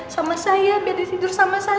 sama saya biar tidur sama saya